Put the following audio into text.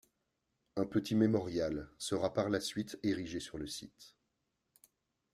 Un petit mémorial sera par la suite érigé sur le site.